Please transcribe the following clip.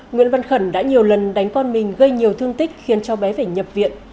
nguyễn văn khẩn đã nhiều lần đánh con mình gây nhiều thương tích khiến cho bé phải nhập viện